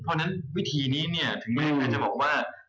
เพราะฉะนั้นวิธีนี้เนี่ยถึงแม้จะบอกว่า